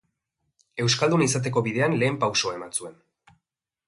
Euskaldun izateko bidean lehen pausoa eman zuen.